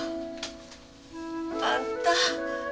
あんた。